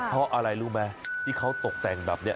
เพราะอะไรรู้ไหมที่เขาตกแต่งแบบนี้